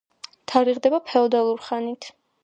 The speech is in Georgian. თარიღდება ფეოდალურ ხანით.